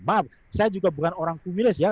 maaf saya juga bukan orang kumilis ya